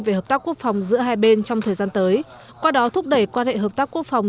về hợp tác quốc phòng giữa hai bên trong thời gian tới qua đó thúc đẩy quan hệ hợp tác quốc phòng